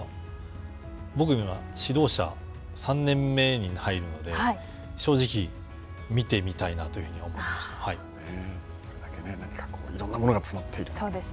僕には指導者３年目に入るので正直、見てみたいなというふうにそれだけいろんなものが詰まっている。